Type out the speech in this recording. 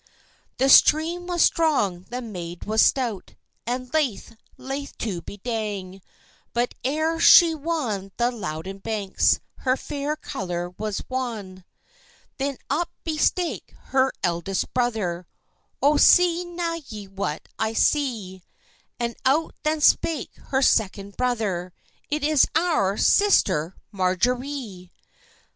The stream was strong, the maid was stout, And laith, laith to be dang; But ere she wan the Louden banks, Her fair colour was wan. Then up bespake her eldest brother— "Oh, see na ye what I see?" And out then spake her second brother— "It is our sister Marjorie!"